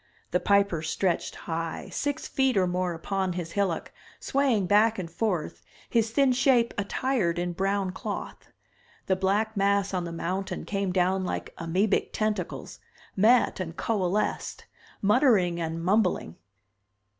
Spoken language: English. The Piper stretched high, six feet or more, upon his hillock, swaying back and forth, his thin shape attired in brown cloth. The black mass on the mountain came down like amoebic tentacles, met and coalesced, muttering and mumbling.